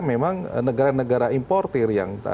memang negara negara importer yang